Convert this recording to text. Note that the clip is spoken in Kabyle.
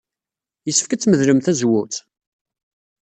Yessefk ad tmedlem tazewwut?